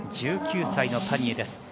１９歳のパニエ。